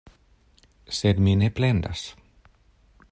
Sed mi ne plendas.